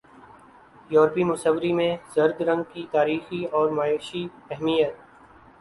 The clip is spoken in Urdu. یورپی مصوری میں زرد رنگ کی تاریخی اور معاشی اہمیت